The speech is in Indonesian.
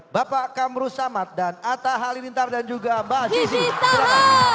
bapak kamru samad dan atta halilintar dan juga mbak sisi